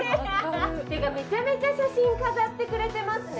めちゃめちゃ写真飾ってくれてますね。